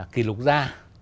kỷ lục ra